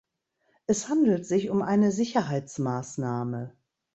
Es handelt sich um eine Sicherheitsmaßnahme.